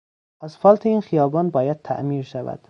آسفالت این خیابان باید تعمیر شود.